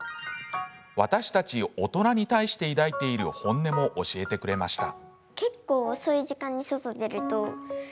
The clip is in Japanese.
私たち大人に対して抱いている本音も教えてくれました。